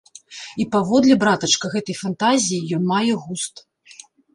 І паводле, братачка, гэтай фантазіі ён мае густ.